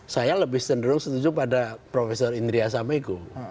saya lebih cenderung setuju pada profesor indriya samego